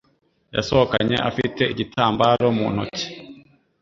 Yasohokanye afite igitambaro mu ntoki